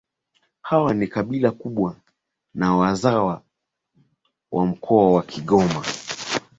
Waha ni kabila kubwa na wazawa wa mkoa wa kigoma